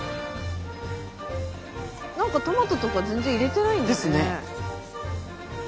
何かトマトとか全然入れてないんだね。ですね。